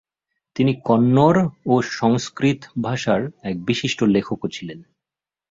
তিনি কন্নড় ও সংস্কৃত ভাষার এক বিশিষ্ট লেখকও ছিলেন।